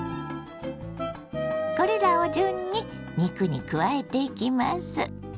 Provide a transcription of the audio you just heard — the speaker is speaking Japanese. これらを順に肉に加えていきます。